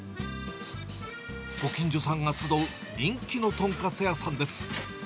ご近所さんが集う人気の豚カツ屋さんです。